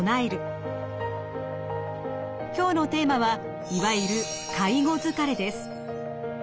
今日のテーマはいわゆる介護疲れです。